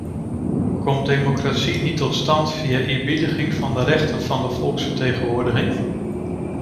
Komt democratie niet tot stand via eerbiediging van de rechten van de volksvertegenwoordiging?